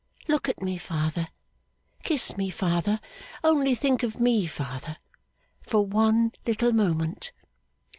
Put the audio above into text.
Look at me, father, kiss me, father! Only think of me, father, for one little moment!